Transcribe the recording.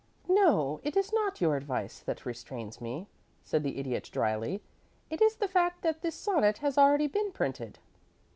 "No, it is not your advice that restrains me," said the Idiot, dryly. "It is the fact that this sonnet has already been printed."